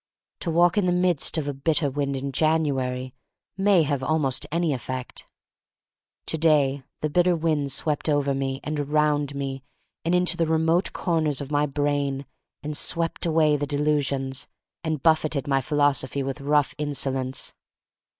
To walk in the midst of a bitter wind in January may have almost any effect. To day the bitter wind swept over me and around me and into the re mote corners of my brain and swept away the delusions, and buffeted my philosophy with rough insolence.